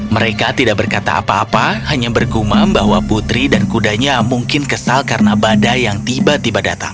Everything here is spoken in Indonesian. mereka tidak berkata apa apa hanya berkumam bahwa putri dan kudanya mungkin kesal karena badai yang tiba tiba datang